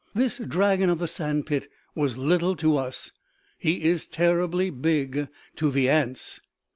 This dragon of the sand pit was little to us. He is terribly big to the ants.